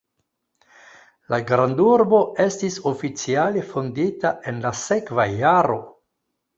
La grandurbo estis oficiale fondita en la sekva jaro.